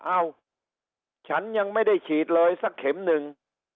เอ้าฉันยังไม่ได้ฉีดเลยสักเข็มหนึ่ง